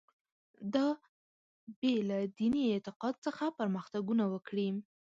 دا بې له دیني اعتقاد څخه پرمختګونه وکړي.